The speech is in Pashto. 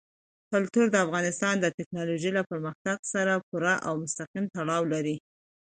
کلتور د افغانستان د تکنالوژۍ له پرمختګ سره پوره او مستقیم تړاو لري.